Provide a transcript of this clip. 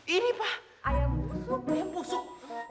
ini pak ayam busuk